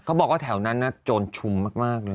บอกว่าแถวนั้นโจรชุมมากเลย